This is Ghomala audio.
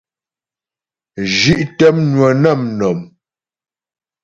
Zhí'tə mnwə nə mnɔ̀m.